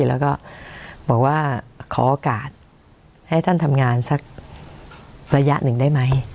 แล้วก็บอกว่าขอโอกาสให้ท่านทำงานสักระยะหนึ่งได้ไหม